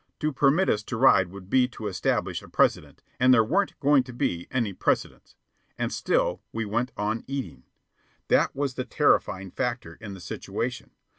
To permit us to ride would be to establish a precedent, and there weren't going to be any precedents. And still we went on eating. That was the terrifying factor in the situation.